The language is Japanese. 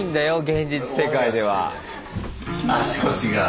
現実世界では。